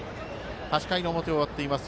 ８回の表、終わっています